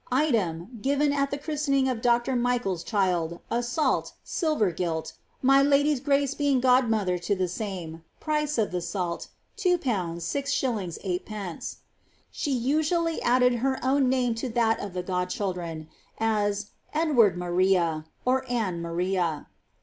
Item, given at the christening of Dr. Michaers child, t salt, silver gilt, my lady's grace being godmother to the same, price (of the salt) 21. 69. SdP She usually added her own name to that of the godchildren, as, ^Edward Maria,"* or " Anne Maria."